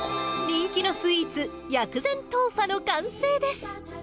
人気のスイーツ、薬膳トウファの完成です。